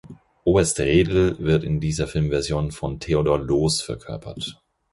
Oberst Redl wird in dieser Filmversion von Theodor Loos verkörpert.